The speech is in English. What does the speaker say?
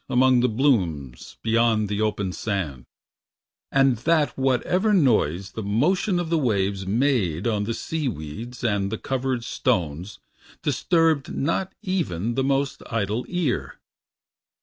Among the blooms beyond the open sand; And that whatever noise the motion of the waves Made on the sea weeds and the covered stones Disturbed not even the most idle ear.